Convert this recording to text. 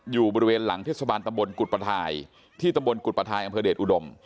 อยู่บริเวณหลังเทศบาลตำบลกุฎประทายที่ตำบลกุฎประทายอำเภอเดชอุดม